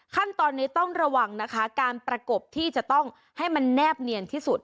ขั้นตอนนี้ต้องระวังนะคะการประกบที่จะต้องให้มันแนบเนียนที่สุด